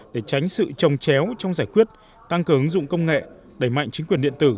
để tránh sự trồng chéo trong giải quyết tăng cứng dụng công nghệ đẩy mạnh chính quyền điện tử